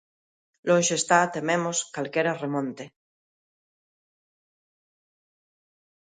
Lonxe está, tememos, calquera remonte.